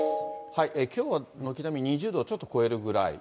きょうは軒並み２０度をちょっと超えるぐらい。